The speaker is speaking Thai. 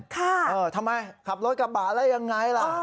ทำไมขับรถกระบะแล้วยังไงล่ะ